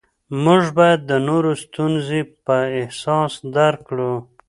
موږ باید د نورو ستونزې په احساس درک کړو